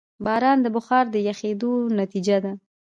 باران د بخار د یخېدو نتیجه ده.